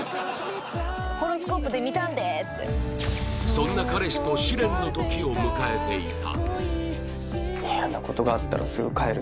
そんな彼氏と試練の時を迎えていた